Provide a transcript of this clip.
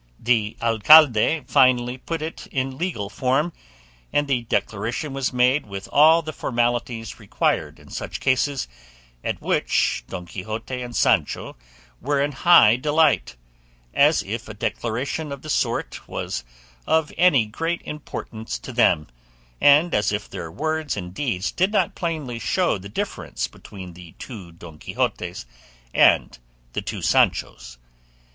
The alcalde finally put it in legal form, and the declaration was made with all the formalities required in such cases, at which Don Quixote and Sancho were in high delight, as if a declaration of the sort was of any great importance to them, and as if their words and deeds did not plainly show the difference between the two Don Quixotes and the two Sanchos.